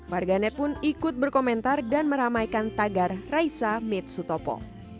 warga net pun ikut berkomentar dan meramaikan tagar raisa meets sutopo